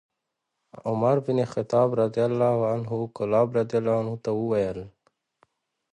عمر بن الخطاب رضي الله عنه کلاب رضي الله عنه ته وویل: